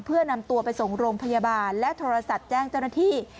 เพื่อนำตัวไปส่งโรงพยาบาลและโทรศัพท์แจ้งเจ้าหน้าที่